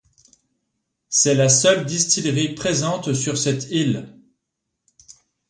C'est la seule distillerie présente sur cette île.